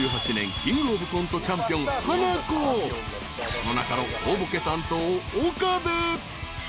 ［その中の大ボケ担当］